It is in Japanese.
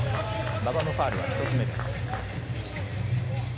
馬場のファウルは１つ目です。